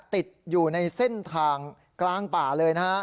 ติดอยู่ในเส้นทางกลางป่าเลยนะฮะ